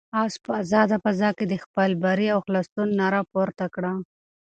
آس په آزاده فضا کې د خپل بري او خلاصون ناره پورته کړه.